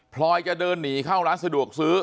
ลอยจะเดินหนีเข้าร้านสะดวกซื้อ